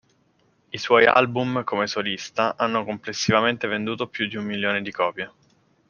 I suoi album come solista hanno complessivamente venduto più di un milione di copie.